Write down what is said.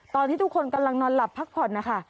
ตอนที่ทุกคนกำลังนอนหลับพักผ่อนนะคะ